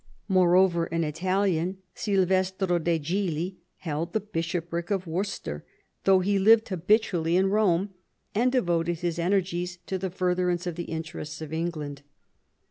Moreover, an Italian, Silvestro de' Cigli, held the bishopric of Worcester, though he lived habitually in Eome, and devoted his energies to the furtherance of the interests of England.